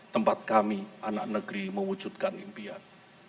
tempat kami anak negeri mewujudkan impian